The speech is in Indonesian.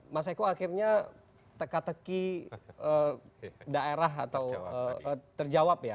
mas eko akhirnya teka teki daerah atau terjawab ya